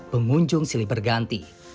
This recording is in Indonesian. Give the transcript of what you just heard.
pengunjung silih berganti